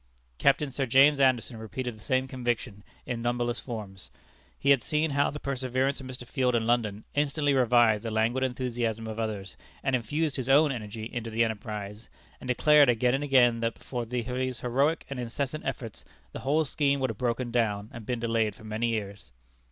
Captain Sir James Anderson repeated the same conviction in numberless forms. He had seen how the presence of Mr. Field in London instantly revived the languid enthusiasm of others, and infused his own energy into the enterprise, and declared again and again that but for these heroic and incessant efforts the whole scheme would have broken down, and been delayed for many years.